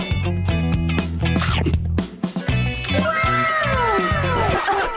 ว้าว